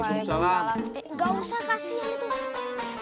gak usah kasih aja tuh